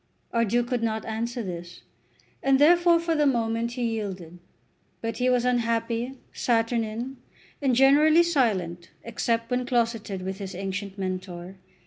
Our Duke could not answer this, and therefore for the moment he yielded. But he was unhappy, saturnine, and generally silent except when closeted with his ancient mentor.